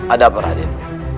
ada apa raden